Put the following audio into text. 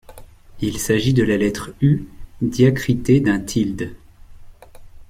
Il s’agit de la lettre Ʉ diacritée d'un tilde.